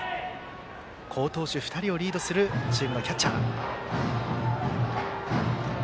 好投手２人をリードするチームのキャッチャー。